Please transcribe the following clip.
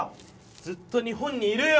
ずっと日本にいるよ！